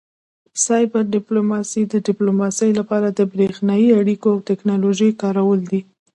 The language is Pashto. سایبر ډیپلوماسي د ډیپلوماسي لپاره د بریښنایي اړیکو او ټیکنالوژۍ کارول دي